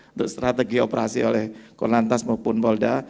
untuk strategi operasi oleh kor lantas maupun polda